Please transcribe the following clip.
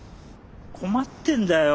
困ってんだよ。